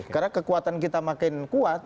karena kekuatan kita makin kuat